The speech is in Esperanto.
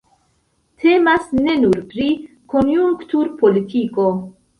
Temas ne nur pri konjunkturpolitiko.